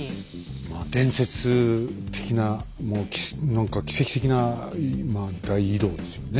まあ伝説的なもう何か奇跡的な大移動ですよね。